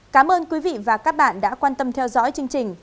cảm ơn quý vị và các bạn đã quan tâm theo dõi chương trình